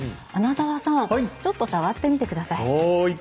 穴澤さんちょっと触ってみてください。